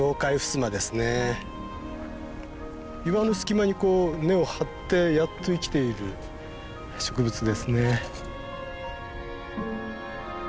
岩の隙間にこう根を張ってやっと生きている植物ですね。